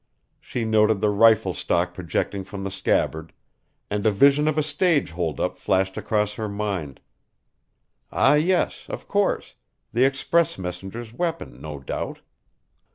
She noted the rifle stock projecting from the scabbard, and a vision of a stage hold up flashed across her mind. Ah, yes, of course the express messenger's weapon, no doubt!